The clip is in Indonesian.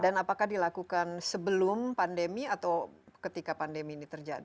dan apakah dilakukan sebelum pandemi atau ketika pandemi ini terjadi